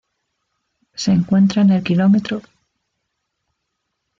Se encuentra en el Km.